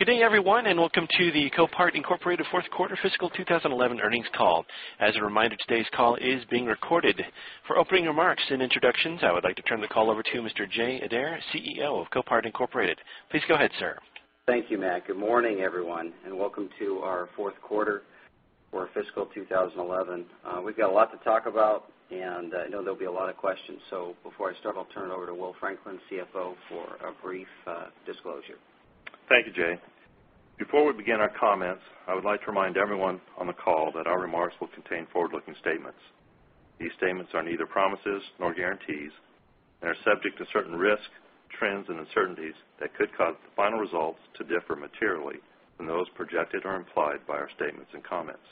Good day, everyone, and welcome to the Copart Incorporated Fourth Quarter Fiscal 2011 Earnings call. As a reminder, today's call is being recorded. For opening remarks and introductions, I would like to turn the call over to Mr. Jay Adair, CEO of Copart Incorporated. Please go ahead, sir. Thank you, Matt. Good morning, everyone, and welcome to our Fourth Quarter for Fiscal 2011. We've got a lot to talk about, and I know there'll be a lot of questions. Before I start, I'll turn it over to Will Franklin, CFO, for a brief disclosure. Thank you, Jay. Before we begin our comments, I would like to remind everyone on the call that our remarks will contain forward-looking statements. These statements are neither promises nor guarantees and are subject to certain risks, trends, and uncertainties that could cause the final results to differ materially from those projected or implied by our statements and comments.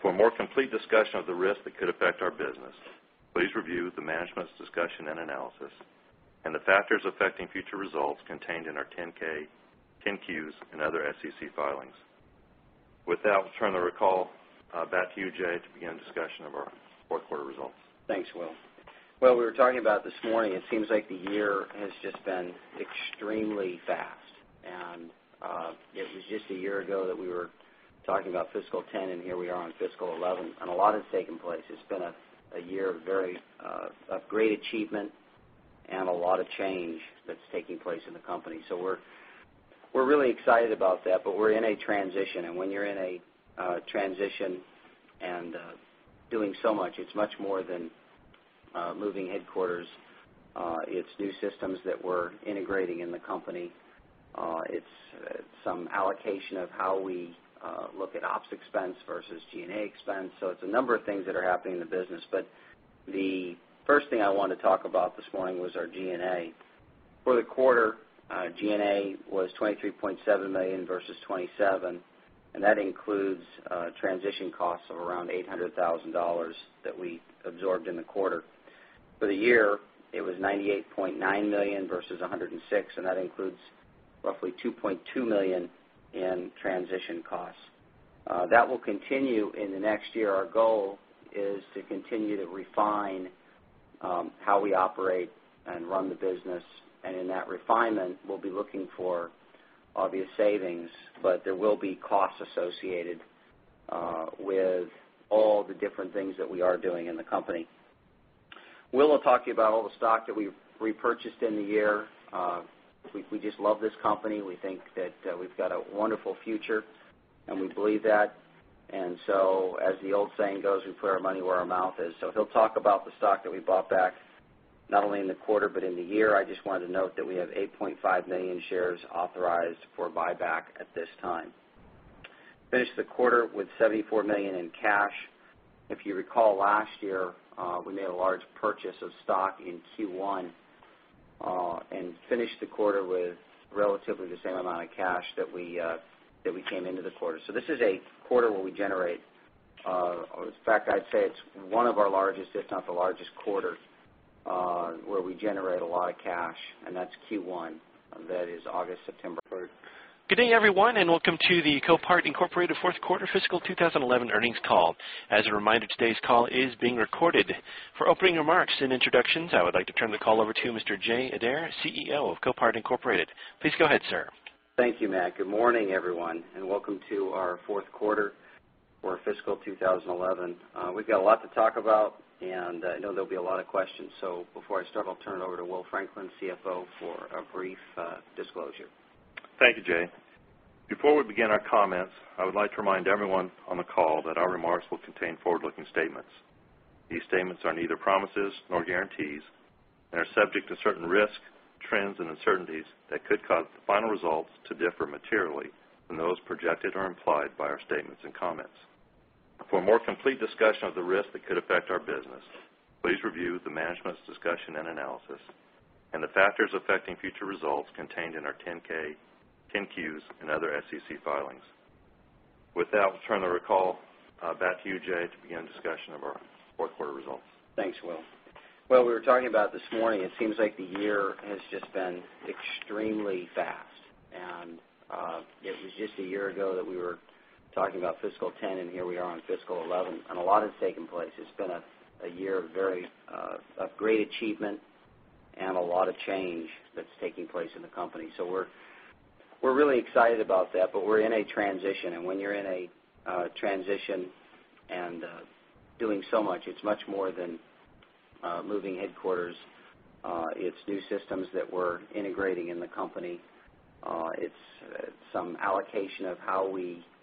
For a more complete discussion of the risks that could affect our business, please review the Management's Discussion and Analysis and the factors affecting future results contained in our 10-K, 10-Qs, and other SEC filings. With that, we'll turn the call back to you, Jay, to begin discussion of our fourth quarter results. Thanks, Will. We were talking about this morning, it seems like the year has just been extremely fast. It was just a year ago that we were talking about Fiscal 2010, and here we are on Fiscal 2011, and a lot has taken place. It's been a year of great achievement and a lot of change that's taking place in the company. We're really excited about that, but we're in a transition. When you're in a transition and doing so much, it's much more than moving headquarters. It's new systems that we're integrating in the company. It's some allocation of how we look at ops expense versus G&A expense. It's a number of things that are happening in the business. The first thing I wanted to talk about this morning was our G&A. For the quarter, G&A was $23.7 million versus $27 million, and that includes transition costs of around $800,000 that we absorbed in the quarter. For the year, it was $98.9 million versus $106 million, and that includes roughly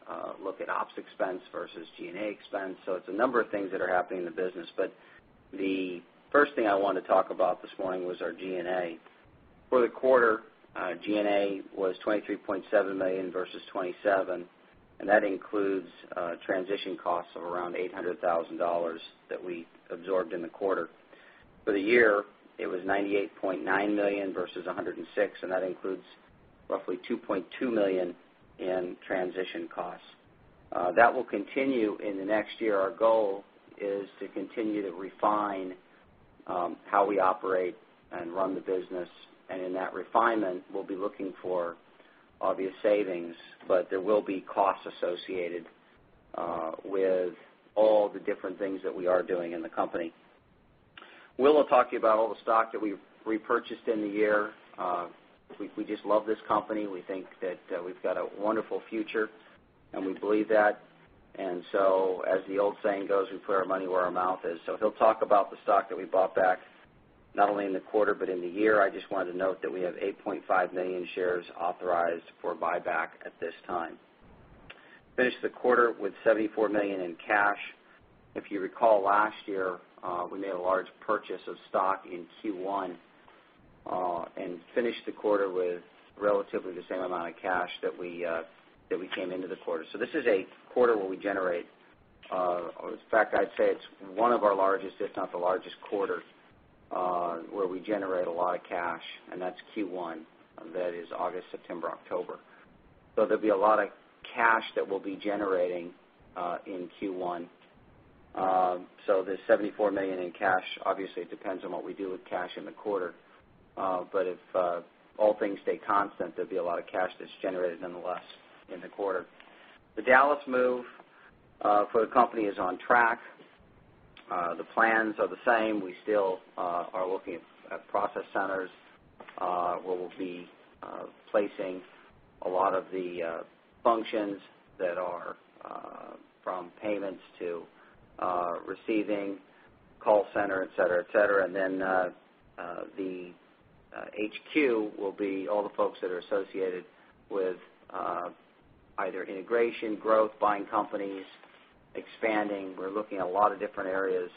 million in transition costs that will continue in the next year. Our goal is to continue to refine how we operate and run the business. In that refinement, we'll be looking for obvious savings, but there will be costs associated with all the different things that we are doing in the company. Will will talk to you about all the stock that we've repurchased in the year. We just love this company. We think that we've got a wonderful future, and we believe that. As the old saying goes, we put our money where our mouth is. He'll talk about the stock that we bought back, not only in the quarter but in the year. I just wanted to note that we have 8.5 million shares authorized for buyback at this time. Finished the quarter with $74 million in cash. If you recall, last year, we made a large purchase of stock in Q1, but if all things stay constant, there'll be a lot of cash that's generated nonetheless in the quarter. The Dallas move for the company is on track. The plans are the same. We still are looking at process centers. We'll be placing a lot of the functions that are from payments to receiving, call center, etc. The HQ will be all the folks that are associated with either integration, growth, buying companies, expanding. We're looking at a lot of different areas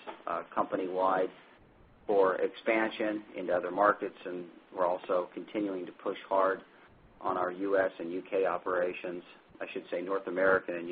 company-wide for expansion into other markets. We're also continuing to push hard on our U.S. and U.K. operations—I should say, North American and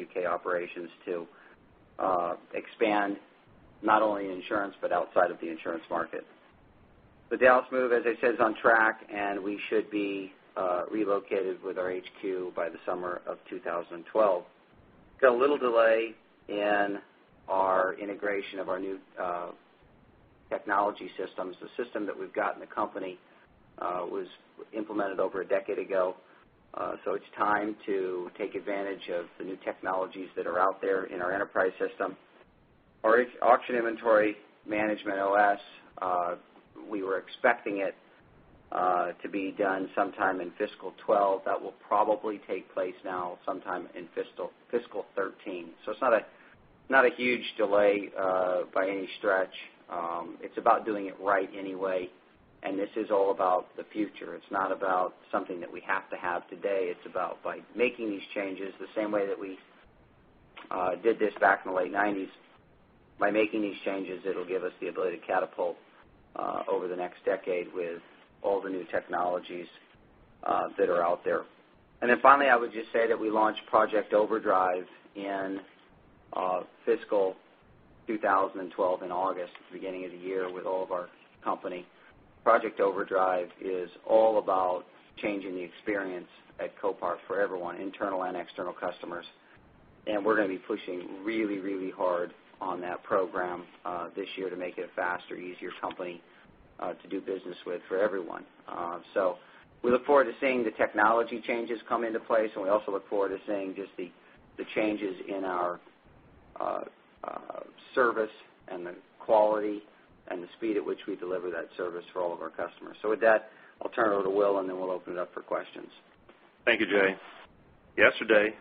U.K.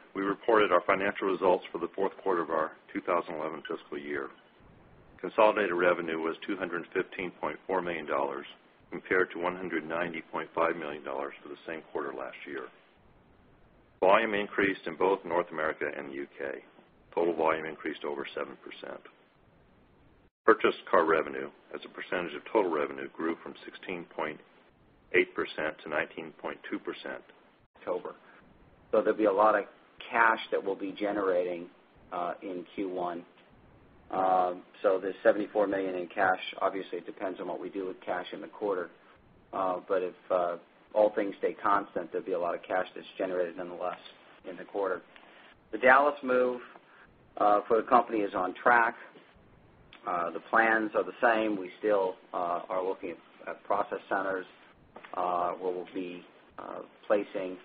operations—to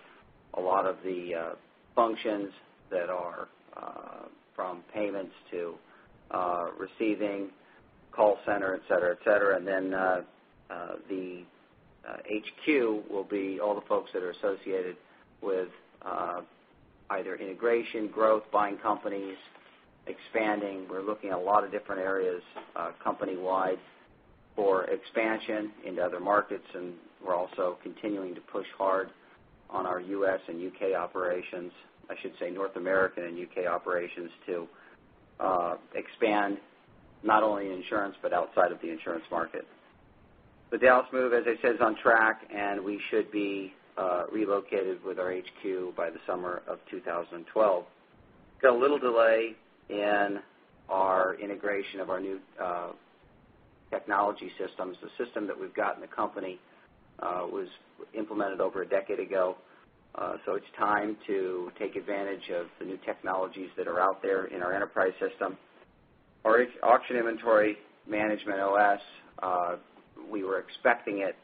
expand not only in insurance but outside of the insurance market. The Dallas move, as I said, is on track, and we should be relocated with our HQ by the summer of 2012. We've got a little delay in our integration of our new technology systems. The system that we've got in the company was implemented over a decade ago, so it's time to take advantage of the new technologies that are out there in our enterprise technology systems. Our auction inventory management OS, we were expecting it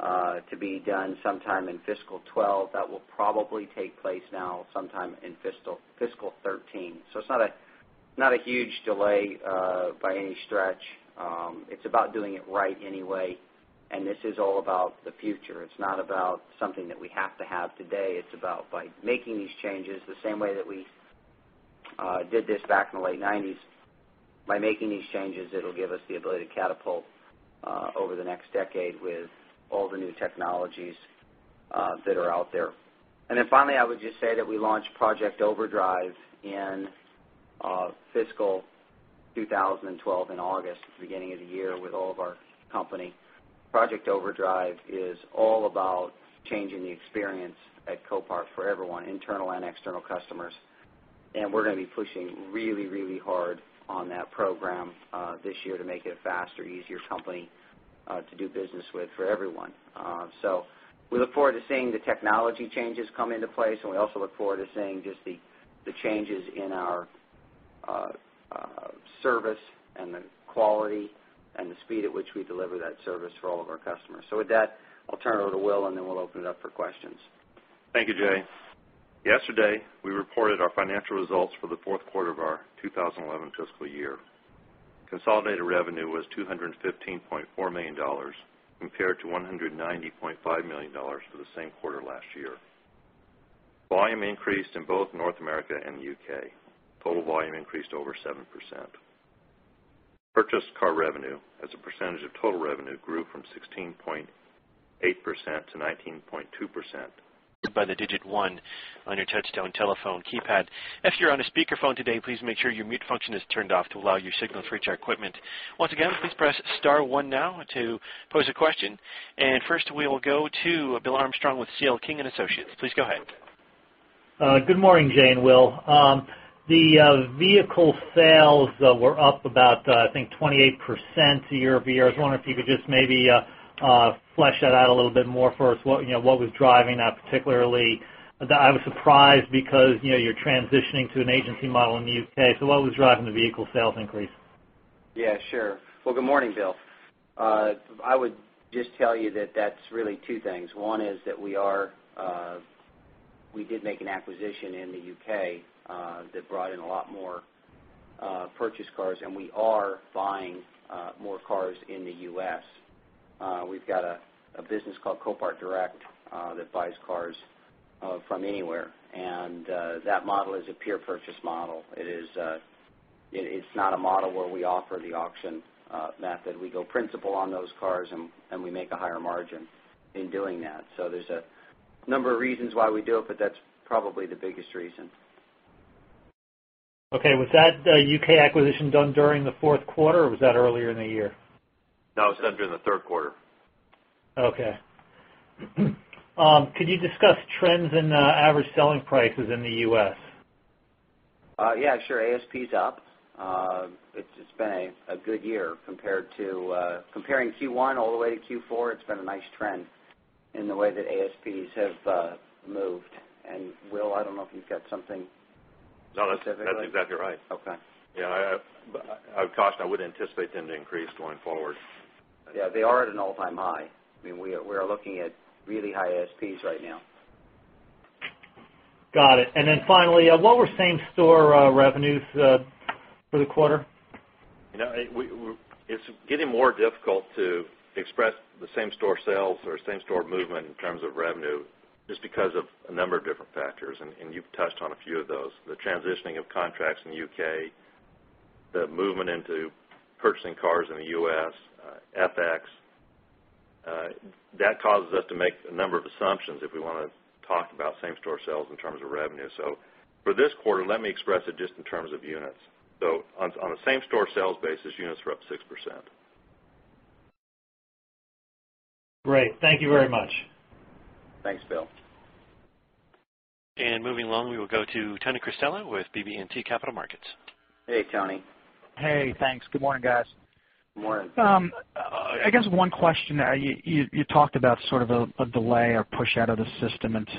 to be done sometime in Fiscal 2012. That will probably take place now sometime in Fiscal 2013. It's not a huge delay by any stretch; it's about doing it right anyway. This is all about the future. It's not about something that we have to have today. It's about making these changes the same way that we did this back in the late '90s. By making these changes, it'll give us the ability to catapult over the next decade with all the new technologies that are out there. Finally, I would just say that we launched Project Overdrive in Fiscal 2012 in August at the beginning of the year with all of our company. Project Overdrive is all about changing the experience at Copart for everyone, internal and external customers. We're going to be pushing really, really hard on that program this year to make it a faster, easier company to do business with for everyone. We look forward to seeing the technology changes come into place, and we also look forward to seeing the changes in our service and the quality and the speed at which we deliver that service for all of our customers. With that, I'll turn it over to Will, and then we'll open it up for questions. Thank you, Jay. Yesterday, we reported our financial results for the fourth quarter of our 2011 fiscal year. Consolidated revenue was $215.4 million compared to $190.5 million for the same quarter last year. Volume increased in both North America and the U.K. Total volume increased over 7%. The vehicle sales were up about, I think, 28% year-over-year. I was wondering if you could just maybe flesh that out a little bit more for us. What was driving that particularly? I was surprised because, you know, you're transitioning to an agency model in the U.K. What was driving the vehicle sales increase? Yeah, sure. Good morning, Bill. I would just tell you that that's really two things. One is that we did make an acquisition in the U.K. that brought in a lot more purchase cars, and we are buying more cars in the U.S. We've got a business called Copart Direct that buys cars from anywhere. That model is a pure purchase model. It's not a model where we offer the auction method. We go principal on those cars, and we make a higher margin in doing that. There's a number of reasons why we do it, but that's probably the biggest reason. Okay. Was that U.K. acquisition done during the fourth quarter, or was that earlier in the year? No, it was done during the third quarter. Okay, could you discuss trends in the average selling prices in the U.S.? Yeah, sure. ASP is up. It's been a good year compared to, comparing Q1 all the way to Q4. It's been a nice trend in the way that ASPs have moved. Will, I don't know if you've got something specific. No, that's exactly right. Okay. Yeah, I thought I would anticipate them to increase going forward. Yeah, they are at an all-time high. I mean, we are looking at really high ASPs right now. Got it. Finally, what were same-store revenues for the quarter? You know, it's getting more difficult to express the same-store sales or same-store movement in terms of revenue just because of a number of different factors. You've touched on a few of those. The transitioning of contracts in the U.K., the movement into purchasing cars in the U.S., FX, that causes us to make a number of assumptions if we want to talk about same-store sales in terms of revenue. For this quarter, let me express it just in terms of units. On the same-store sales basis, units were up 6%. Great, thank you very much. Thanks, Bill. Moving along, we will go to Tony Cristella with BB&T Capital Markets. Hey, Tony. Hey, thanks. Good morning, guys. Morning. I guess one question. You talked about sort of a delay or push out of the system into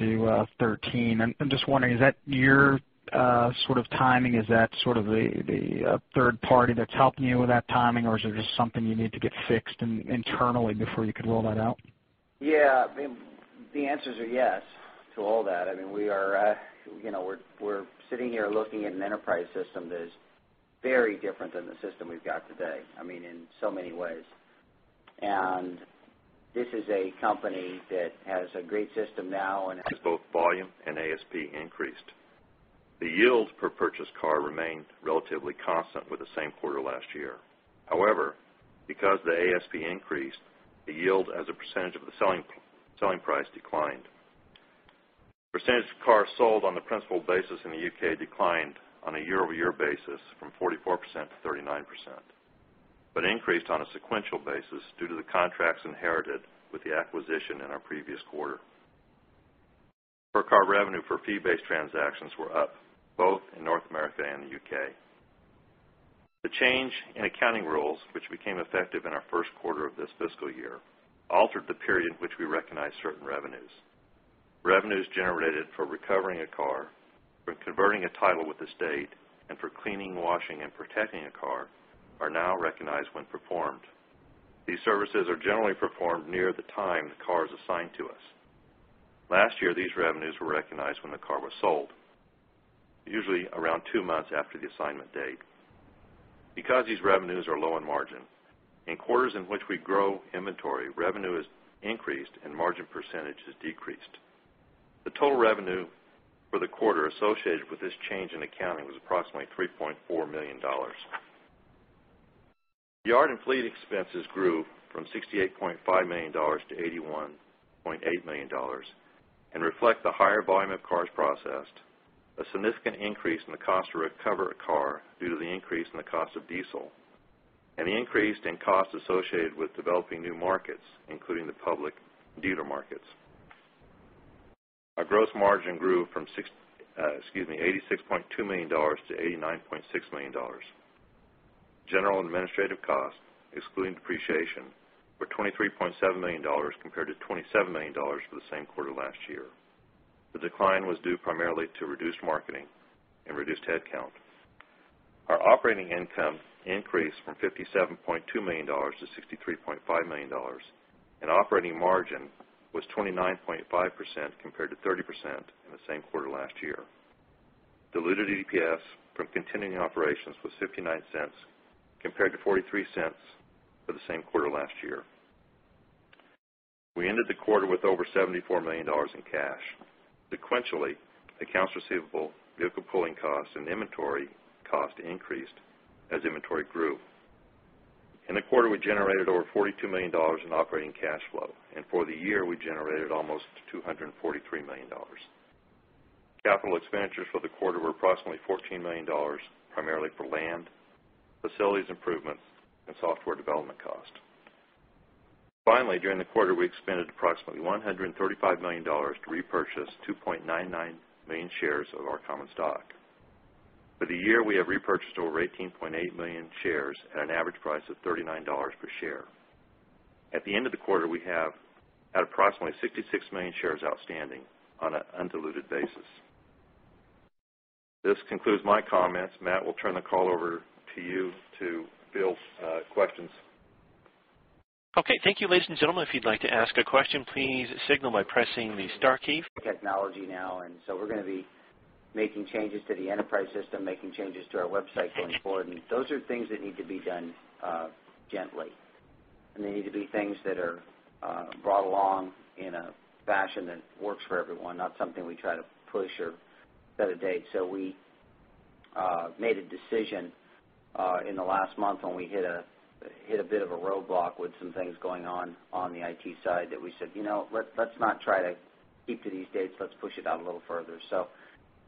2013. I'm just wondering, is that your timing? Is that the third party that's helping you with that timing, or is there just something you need to get fixed internally before you could roll that out? Yeah, I mean, the answer is a yes to all that. I mean, we are sitting here looking at an enterprise system that is very different than the system we've got today, in so many ways. This is a company that has a great system now. As both volume and ASP increased, the yield per purchased car remained relatively constant with the same quarter last year. However, because the ASP increased, the yield as a percentage of the selling price declined. The percentage of cars sold on the principal basis in the U.K. declined on a year-over-year basis from 44%-39%, but increased on a sequential basis due to the contracts inherited with the acquisition in our previous quarter. Per car revenue for fee-based transactions were up, both in North America and the U.K. The change in accounting rules, which became effective in our first quarter of this fiscal year, altered the period in which we recognize certain revenues. Revenues generated for recovering a car, for converting a title with the state, and for cleaning, washing, and protecting a car are now recognized when performed. These services are generally performed near the time the car is assigned to us. Last year, these revenues were recognized when the car was sold, usually around two months after the assignment date. Because these revenues are low in margin, in quarters in which we grow inventory, revenue has increased and margin percentage has decreased. The total revenue for the quarter associated with this change in accounting was approximately $3.4 million. Yard and fleet expenses grew from $68.5 million-$81.8 million and reflect the higher volume of cars processed, a significant increase in the cost to recover a car due to the increase in the cost of diesel, and the increase in costs associated with developing new markets, including the public dealer markets. Our gross margin grew from $86.2 million-$89.6 million. General and administrative costs, excluding depreciation, were $23.7 million compared to $27 million for the same quarter last year. The decline was due primarily to reduced marketing and reduced headcount. Our operating income increased from $57.2 million-$63.5 million, and operating margin was 29.5% compared to 30% in the same quarter last year. Diluted EPS from continuing operations was $0.59 compared to $0.43 for the same quarter last year. We ended the quarter with over $74 million in cash. Sequentially, accounts receivable, vehicle pulling costs, and inventory cost increased as inventory grew. In the quarter, we generated over $42 million in operating cash flow, and for the year, we generated almost $243 million. Capital expenditures for the quarter were approximately $14 million, primarily for land, facilities improvements, and software development cost. Finally, during the quarter, we expended approximately $135 million to repurchase 2.99 million shares of our common stock. For the year, we have repurchased over 18.8 million shares at an average price of $39 per share. At the end of the quarter, we have had approximately 66 million shares outstanding on an undiluted basis. This concludes my comments. Matt, we'll turn the call over to you to build questions. Okay. Thank you, ladies and gentlemen. If you'd like to ask a question, please signal by pressing the Star key. Technology now, and so we're going to be making changes to the enterprise technology systems, making changes to our website going forward. Those are things that need to be done gently, and they need to be things that are brought along in a fashion that works for everyone, not something we try to push or set a date. We made a decision in the last month when we hit a bit of a roadblock with some things going on on the IT side that we said, "You know, let's not try to keep to these dates. Let's push it out a little further."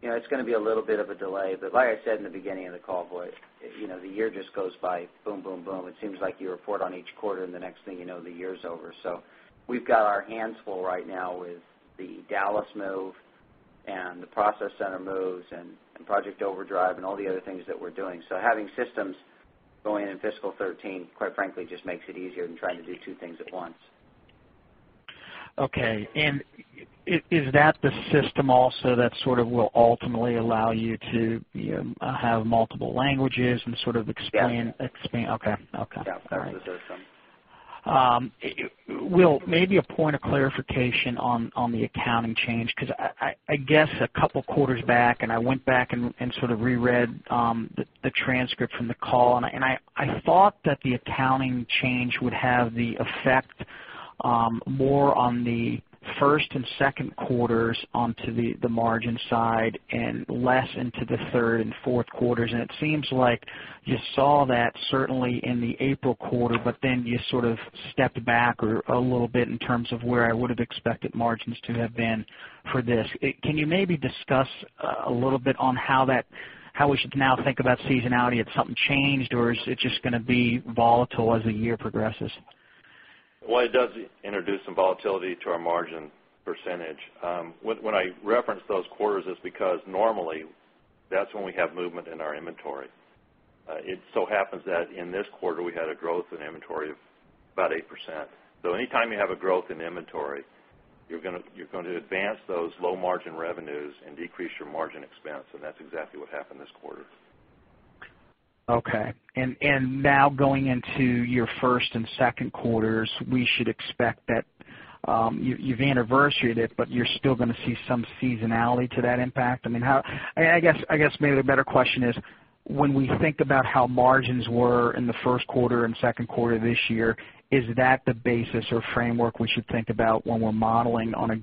It's going to be a little bit of a delay. Like I said in the beginning of the call, boy, you know the year just goes by boom, boom, boom. It seems like you report on each quarter, and the next thing you know, the year is over. We've got our hands full right now with the Dallas move and the process center moves and Project Overdrive and all the other things that we're doing. Having systems going in in Fiscal 2013, quite frankly, just makes it easier than trying to do two things at once. Is that the system also that will ultimately allow you to have multiple languages and expand? Yeah. Okay. Okay. Yeah, that's what it does. Will, maybe a point of clarification on the accounting change because I guess a couple of quarters back, I went back and sort of reread the transcript from the call. I thought that the accounting change would have the effect more on the first and second quarters on the margin side and less into the third and fourth quarters. It seems like you saw that certainly in the April quarter, but then you sort of stepped back a little bit in terms of where I would have expected margins to have been for this. Can you maybe discuss a little bit on how we should now think about seasonality? Has something changed, or is it just going to be volatile as the year progresses? It does introduce some volatility to our margin percentage. When I reference those quarters, it's because normally, that's when we have movement in our inventory. It so happens that in this quarter, we had a growth in inventory of about 8%. Anytime you have a growth in inventory, you're going to advance those low margin revenues and decrease your margin expense. That's exactly what happened this quarter. Okay. Now, going into your first and second quarters, we should expect that you've anniversaried it, but you're still going to see some seasonality to that impact. I mean, how, I guess maybe the better question is, when we think about how margins were in the first quarter and second quarter of this year, is that the basis or framework we should think about when we're modeling on a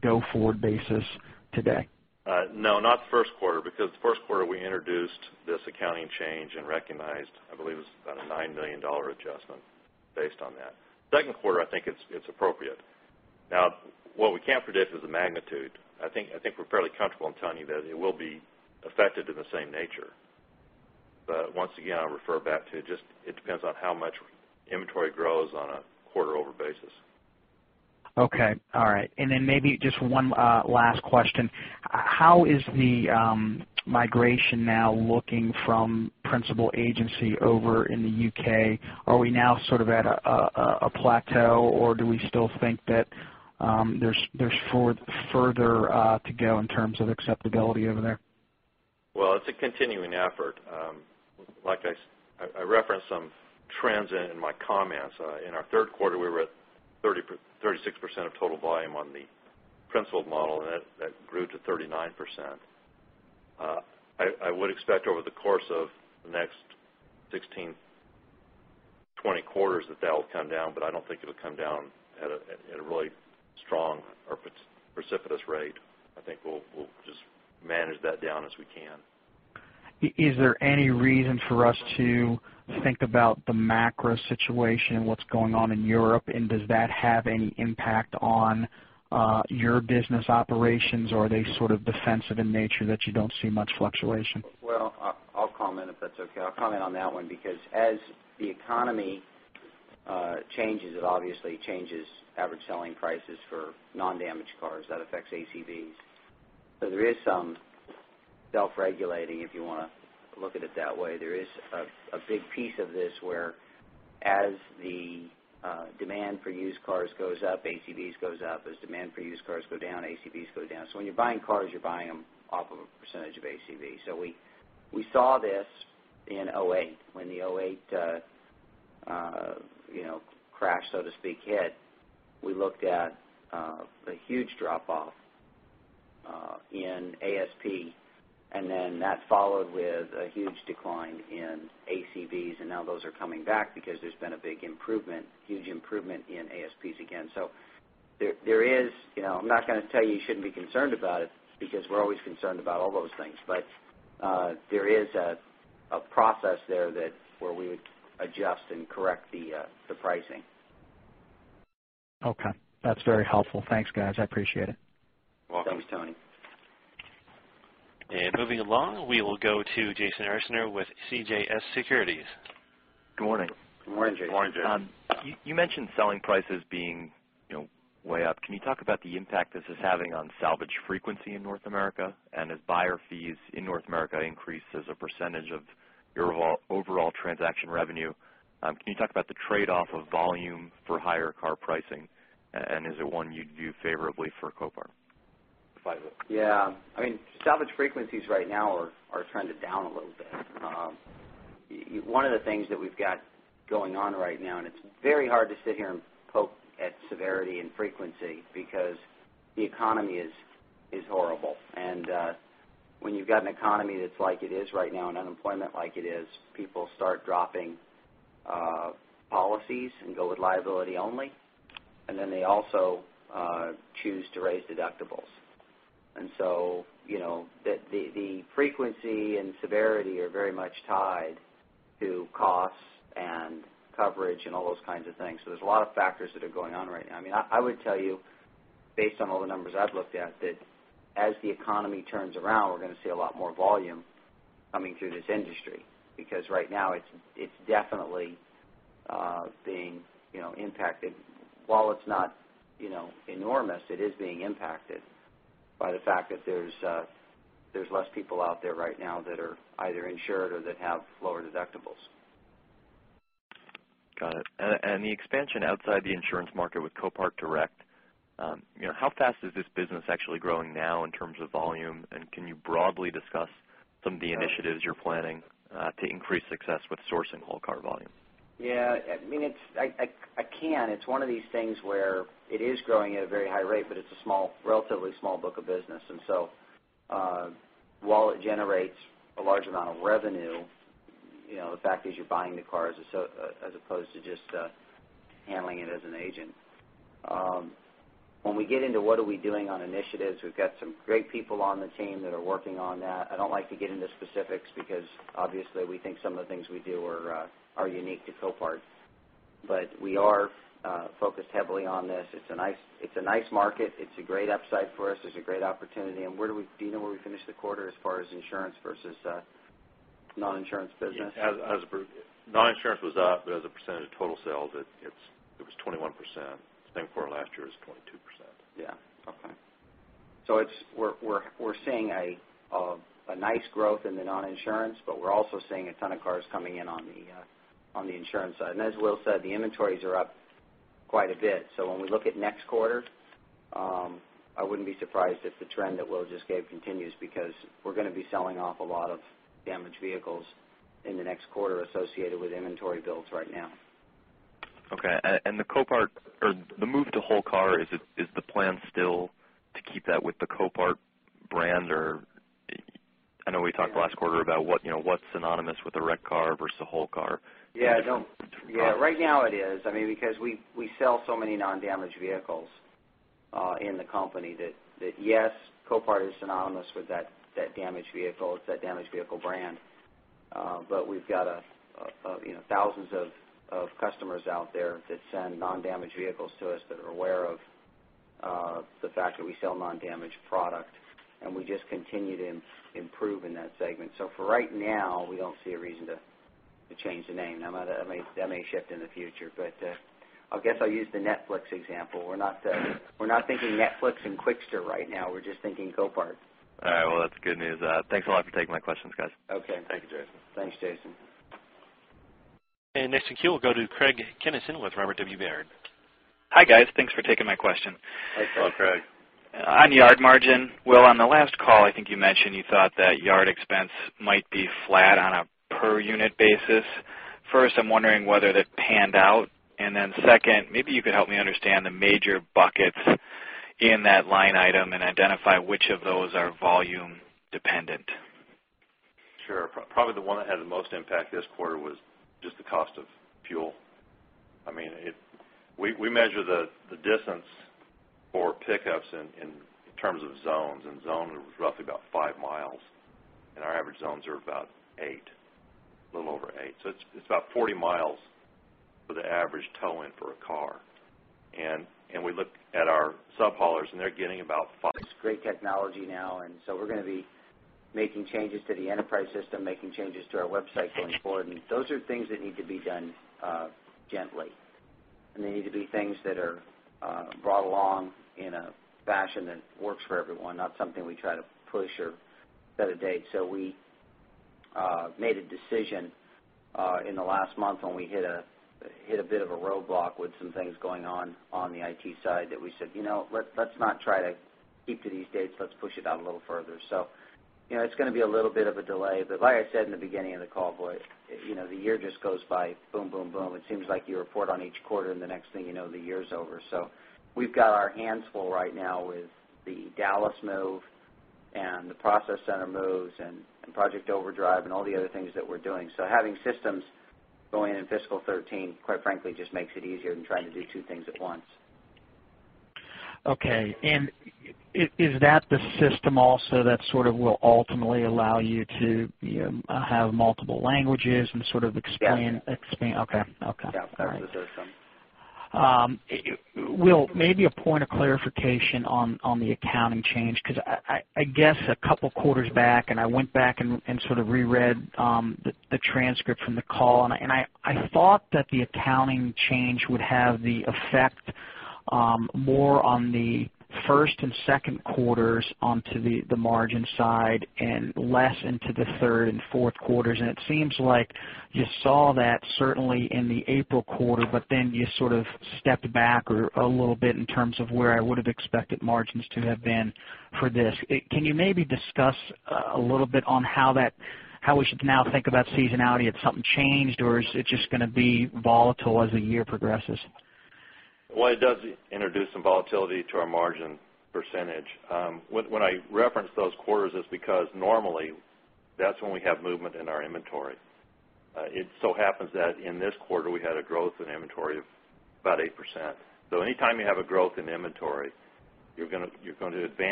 go-forward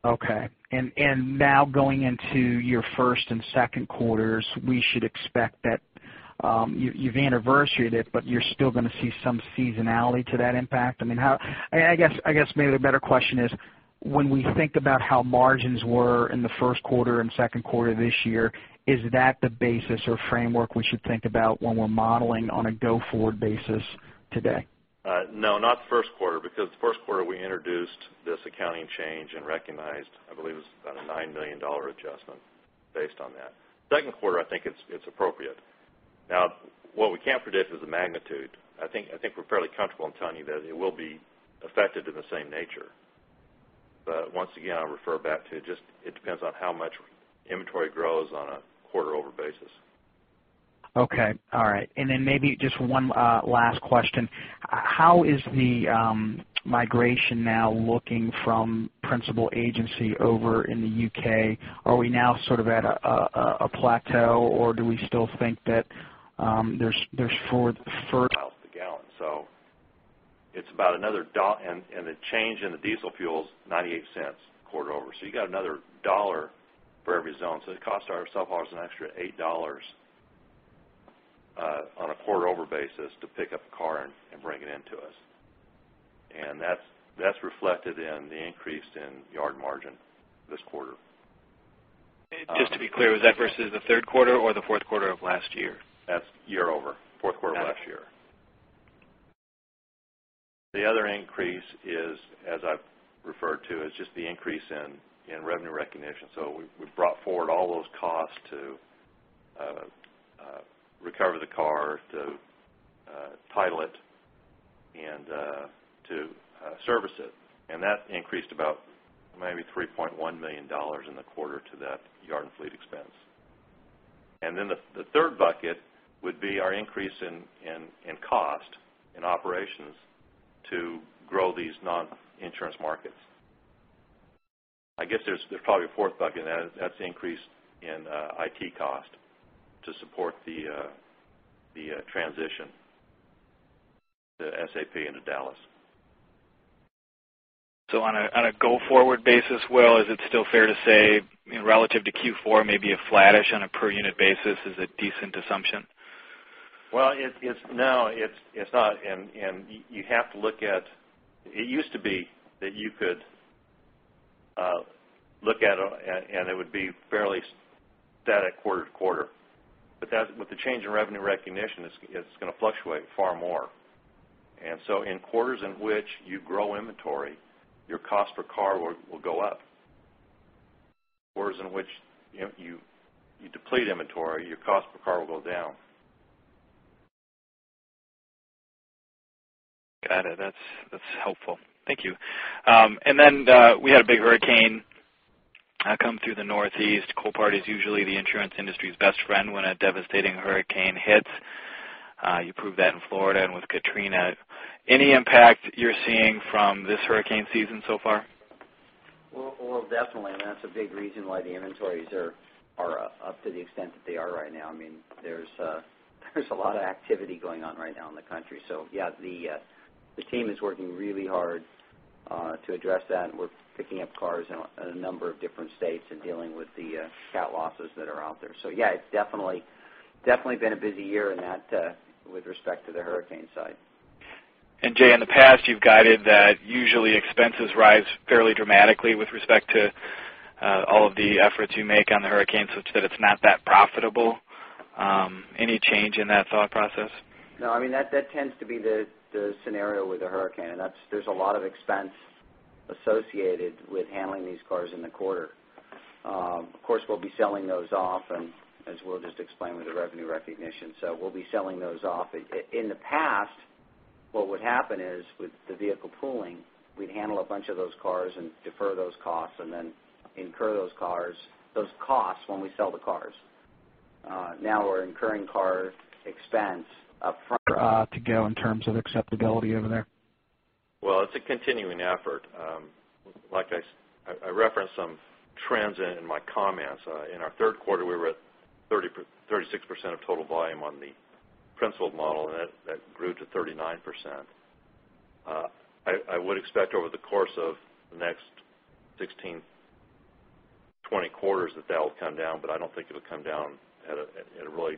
basis today? No, not the first quarter because the first quarter, we introduced this accounting change and recognized, I believe, it was about a $9 million adjustment based on that. Second quarter, I think it's appropriate. Now, what we can't predict is the magnitude. I think we're fairly comfortable in telling you that it will be affected in the same nature. Once again, I'll refer back to just it depends on how much inventory grows on a quarter-over basis. Okay. All right. Maybe just one last question. How is the migration now looking from principal agency over in the U.K.? Are we now sort of at a plateau, or do we still think that there's further to go in terms of acceptability over there? It's a continuing effort. I referenced some trends in my comments. In our third quarter, we were at 36% of total volume on the principal model, and that grew to 39%. I would expect over the course of the next 16, 20 quarters that will come down, but I don't think it'll come down at a really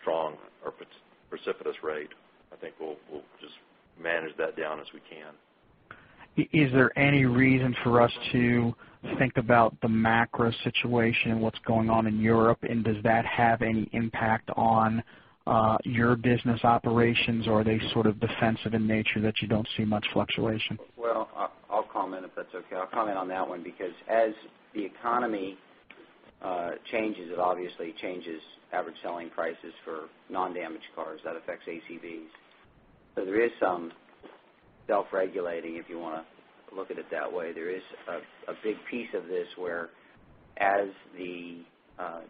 strong or precipitous rate. I think we'll just manage that down as we can. Is there any reason for us to think about the macro situation and what's going on in Europe? Does that have any impact on your business operations, or are they sort of defensive in nature that you don't see much fluctuation? I'll comment on that one because as the economy changes, it obviously changes average selling prices for non-damaged cars. That affects ACVs. There is some self-regulating, if you want to look at it that way. There is a big piece of this where as the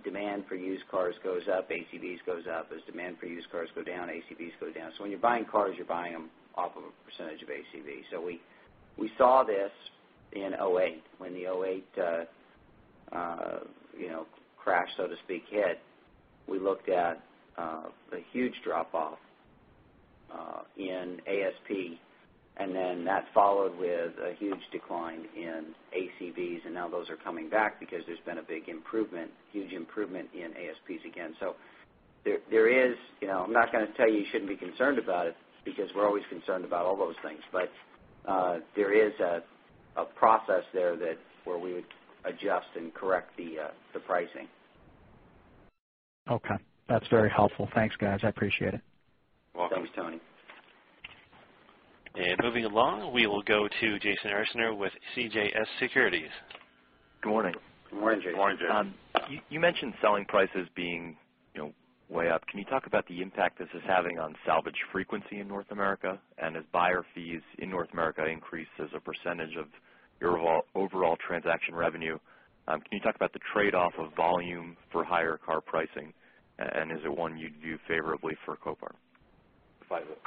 demand for used cars goes up, ACVs go up. As demand for used cars goes down, ACVs go down. When you're buying cars, you're buying them off of a percentage of ACV. We saw this in 2008. When the 2008 crash, so to speak, hit, we looked at a huge drop-off in ASP. That followed with a huge decline in ACVs. Now those are coming back because there's been a big improvement, huge improvement in ASPs again. There is, you know, I'm not going to tell you you shouldn't be concerned about it because we're always concerned about all those things. There is a process there where we would adjust and correct the pricing. Okay. That's very helpful. Thanks, guys. I appreciate it. You're welcome. Thanks, Tony. Moving along, we will go to Jash Patwa with CJS Securities. Good morning. Good morning, Jay. Good morning, Jay. You mentioned selling prices being, you know, way up. Can you talk about the impact this is having on salvage frequency in North America? If buyer fees in North America increase as a percentage of your overall transaction revenue, can you talk about the trade-off of volume for higher car pricing? Is it one you'd view favorably for Copart?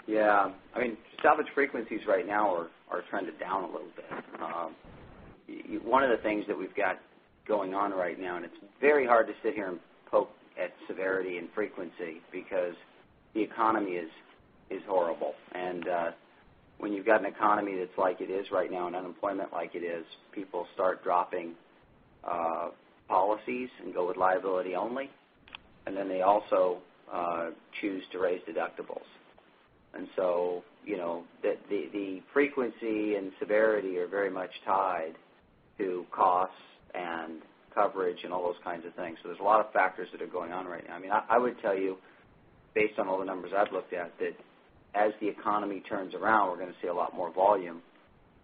Yeah. I mean, salvage frequencies right now are trending down a little bit. One of the things that we've got going on right now, and it's very hard to sit here and poke at severity and frequency because the economy is horrible. When you've got an economy that's like it is right now and unemployment like it is, people start dropping policies and go with liability only. They also choose to raise deductibles. The frequency and severity are very much tied to costs and coverage and all those kinds of things. There's a lot of factors that are going on right now. I would tell you, based on all the numbers I've looked at, that as the economy turns around, we're going to see a lot more volume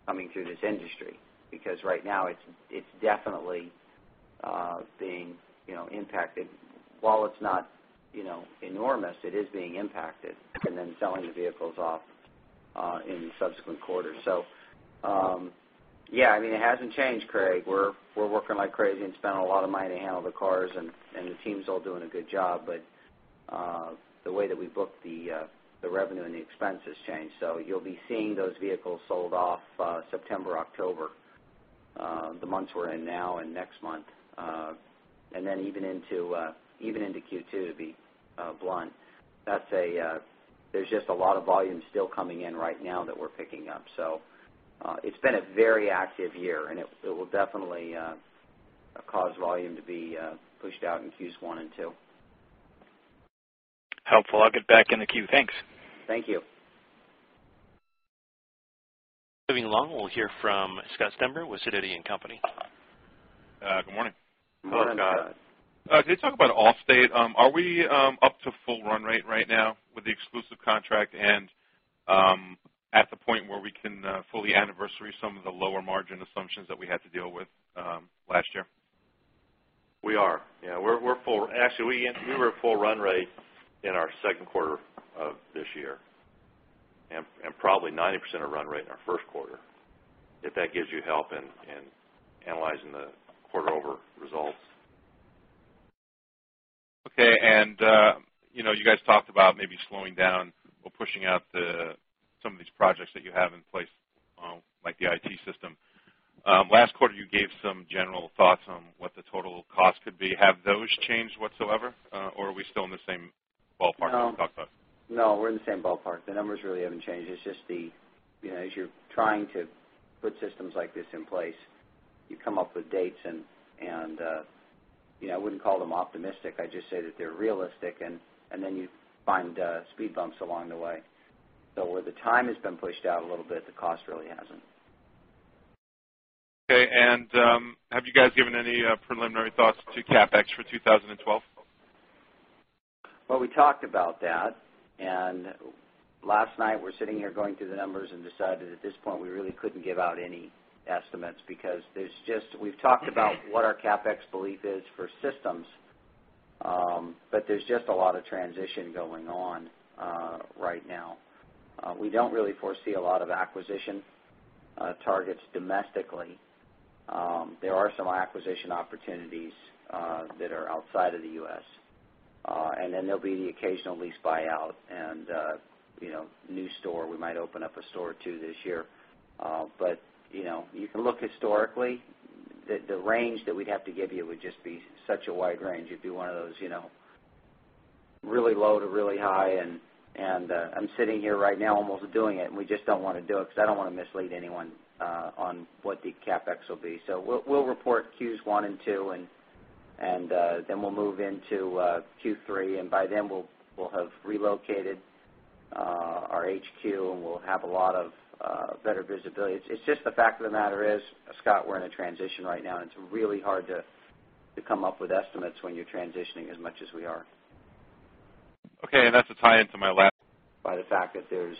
coming through this industry because right now it's definitely being impacted. While it's not even into Q2, to be blunt. There's just a lot of volume still coming in right now that we're picking up. It's been a very active year, and it will definitely cause volume to be pushed out in Q1 and Q2. Helpful. I'll get back in the queue. Thanks. Thank you. Moving along, we'll hear from Scott Stember with Sidoti & Co. Good morning. Hello, Scott. Could you talk about off date? Are we up to full run rate right now with the exclusive contract, and at the point where we can fully anniversary some of the lower margin assumptions that we had to deal with last year? We are. Yeah, we're full. Actually, we were at full run rate in our second quarter of this year and probably 90% of run rate in our first quarter, if that gives you help in analyzing the quarter-over results. Okay. You guys talked about maybe slowing down or pushing out some of these projects that you have in place, like the IT system. Last quarter, you gave some general thoughts on what the total cost could be. Have those changed whatsoever, or are we still in the same ballpark we talked about? No, we're in the same ballpark. The numbers really haven't changed. As you're trying to put systems like this in place, you come up with dates, and I wouldn't call them optimistic. I'd just say that they're realistic, and then you find speed bumps along the way. Where the time has been pushed out a little bit, the cost really hasn't. Okay, have you guys given any preliminary thoughts to CapEx for 2012? We talked about that. Last night, we're sitting here going through the numbers and decided at this point we really couldn't give out any estimates because we've talked about what our CapEx belief is for systems, but there's just a lot of transition going on right now. We don't really foresee a lot of acquisition targets domestically. There are some acquisition opportunities that are outside of the U.S., and then there'll be the occasional lease buyout and, you know, new store. We might open up a store or two this year, but you know, you can look historically. The range that we'd have to give you would just be such a wide range. It'd be one of those really low to really high. I'm sitting here right now almost doing it, and we just don't want to do it because I don't want to mislead anyone on what the CapEx will be. We'll report Q1 and Q2, and then we'll move into Q3. By then, we'll have relocated our HQ, and we'll have a lot of better visibility. The fact of the matter is, Scott, we're in a transition right now, and it's really hard to come up with estimates when you're transitioning as much as we are. Okay, that's a tie-in to my last. By the fact that there's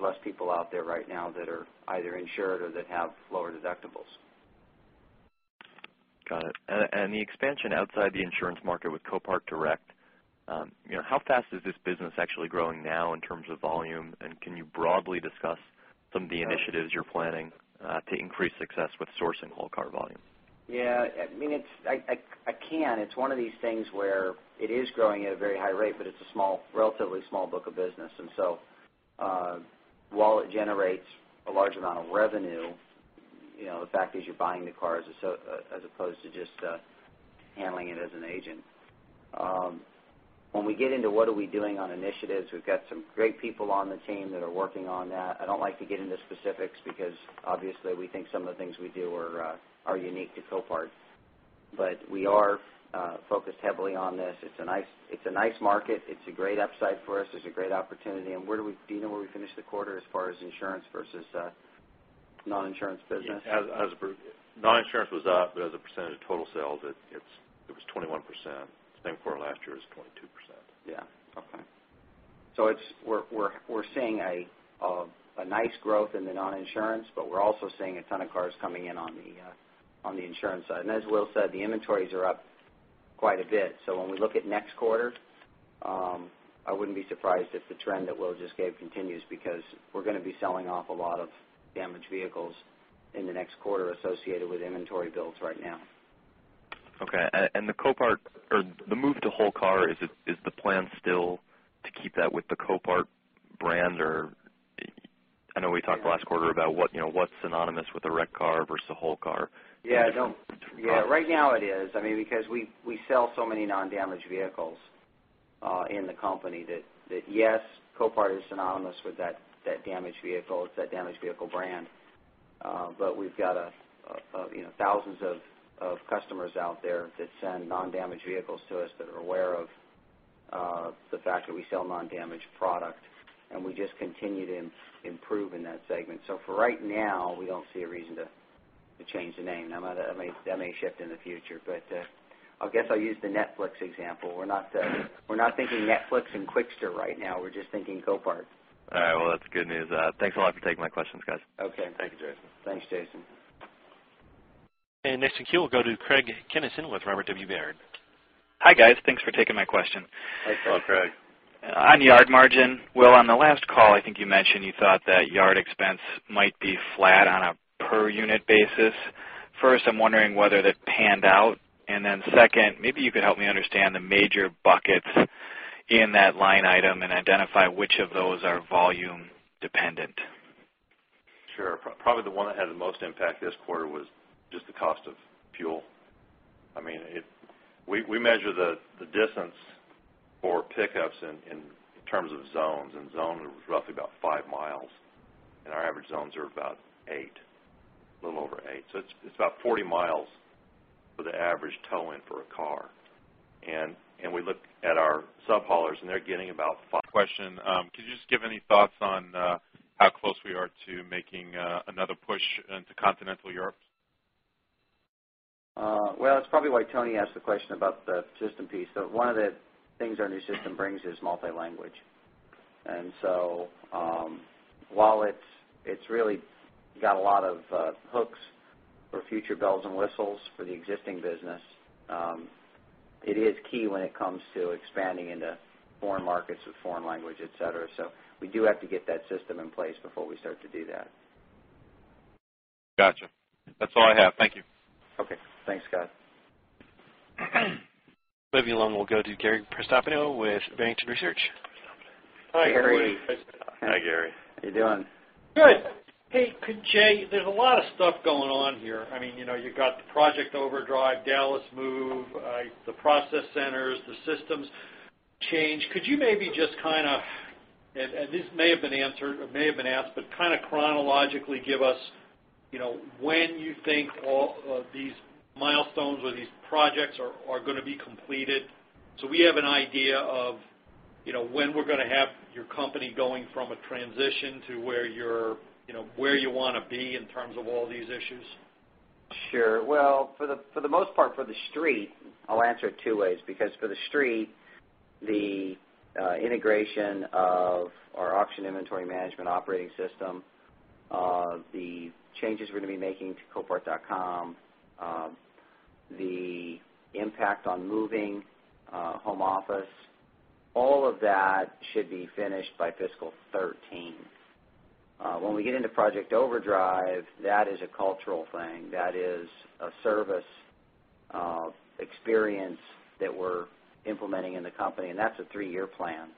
less people out there right now that are either insured or that have lower deductibles. Got it. The extension outside the insurance market with Copart Direct, you know, how fast is this business actually growing now in terms of volume? Can you broadly discuss some of the initiatives you're planning to increase success with sourcing whole car volume? Yeah. I mean, I can. It's one of these things where it is growing at a very high rate, but it's a relatively small book of business. While it generates a large amount of revenue, the fact is you're buying the cars as opposed to just handling it as an agent. When we get into what are we doing on initiatives, we've got some great people on the team that are working on that. I don't like to get into specifics because, obviously, we think some of the things we do are unique to Copart. We are focused heavily on this. It's a nice market. It's a great upside for us. It's a great opportunity. Do you know where we finished the quarter as far as insurance versus non-insurance business? Non-insurance was up, but as a percentage of total sales, it was 21%. Same quarter last year was 22%. Yeah. Okay. We're seeing a nice growth in the non-insurance, but we're also seeing a ton of cars coming in on the insurance side. As Will said, the inventories are up quite a bit. When we look at next quarter, I wouldn't be surprised if the trend that Will just gave continues because we're going to be selling off a lot of damaged vehicles in the next quarter associated with inventory builds right now. Okay. The Copart or the move to whole car, is the plan still to keep that with the Copart brand? I know we talked last quarter about what, you know, what's synonymous with a wrecked car versus a whole car. Yeah, right now it is. I mean, because we sell so many non-damaged vehicles in the company that, yes, Copart is synonymous with that damaged vehicle. It's that damaged vehicle brand. We've got thousands of customers out there that send non-damaged vehicles to us that are aware of the fact that we sell non-damaged product. We just continue to improve in that segment. For right now, we don't see a reason to change the name. That may shift in the future. I guess I'll use the Netflix example. We're not thinking Netflix and Quickster right now. We're just thinking Copart. All right. That's good news. Thanks a lot for taking my questions, guys. Okay. Thank you, Jason. Thanks, Jason. Next in queue will go to Craig Kennison with Robert W. Baird. Hi, guys. Thanks for taking my question. All right. Hello, Craig. On yard margin, Will, on the last call, I think you mentioned you thought that yard expense might be flat on a per-unit basis. First, I'm wondering whether that panned out. Then, maybe you could help me understand the major buckets in that line item and identify which of those are volume-dependent. Sure. Probably the one that had the most impact this quarter was just the cost of fuel. I mean, we measure the distance for pickups in terms of zones. Zones are roughly about 5 mi, and our average zones are about 8 mi, a little over 8 mi. It's about 40 mi for the average tow-in for a car. We look at our subhaulers, and they're getting about five. Could you just give any thoughts on how close we are to making another push into continental Europe? That is probably why Tony asked the question about the system piece. One of the things our new system brings is multi-language. It's really got a lot of hooks for future bells and whistles for the existing business. It is key when it comes to expanding into foreign markets with foreign language, etc. We do have to get that system in place before we start to do that. Gotcha. That's all I have. Thank you. Okay, thanks, Scott. Moving along, we'll go to Gary Prestopino with Barrington Research. Hi. Gary. Hi, Gary. How are you doing? Good. Hey, Jay, there's a lot of stuff going on here. I mean, you've got the Project Overdrive, Dallas move, the process centers, the systems change. Could you maybe just kind of, and this may have been answered or may have been asked, but kind of chronologically give us when you think all of these milestones or these projects are going to be completed so we have an idea of when we're going to have your company going from a transition to where you're, you know, where you want to be in terms of all these issues? Sure. For the most part, for the street, I'll answer it two ways because for the street, the integration of our auction inventory management operating system, the changes we're going to be making to copart.com, the impact on moving home office, all of that should be finished by Fiscal 2013. When we get into Project Overdrive, that is a cultural thing. That is a service experience that we're implementing in the company, and that's a three-year plan.